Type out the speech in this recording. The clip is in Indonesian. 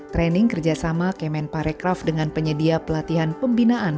training kerjasama kemen parekraf dengan penyedia pelatihan pembinaan